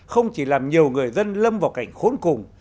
không chỉ làm nhiều người dân lâm vào cảnh khốn cùng